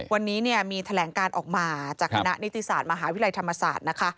วันนี้เนี่ยมีแถลงการออกมาจากคณะนิติศาสตร์มหาวิทยาลัยธรรมศาสตร์นะคะ